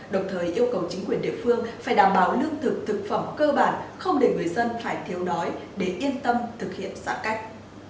đồng thời yêu cầu chính quyền địa phương phải đảm bảo lương thực thực phẩm cơ bản không để người dân phải thiếu đói để yên tâm thực hiện giãn cách